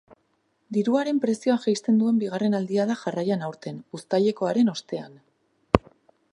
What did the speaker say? Diruaren prezioa jaisten duen bigarren aldia da jarraian aurten, uztailekoaren ostean.